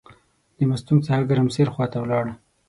د مستونګ څخه د ګرمسیر خواته ولاړ.